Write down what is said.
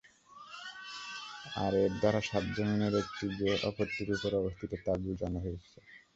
আর এর দ্বারা সাত যমীনের একটি যে অপরটির উপর অবস্থিত তা-ই বুঝানো হয়েছে।